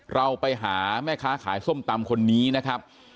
เราไปหาแม่ค้าขายส้มตำคนนี้นะครับ